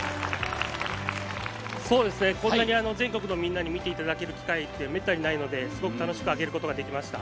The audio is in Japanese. こんなに全国のみんなに見ていただける機会ってめったにないので、すごく楽しく揚げることができました。